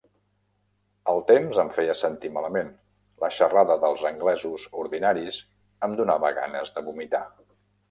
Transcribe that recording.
El temps em feia sentir malament, la xerrada dels anglesos ordinaris em donava ganes de vomitar.